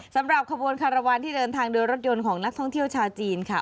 สำหรับขบวนคารวาลที่เดินทางโดยรถยนต์ของนักท่องเที่ยวชาวจีนค่ะ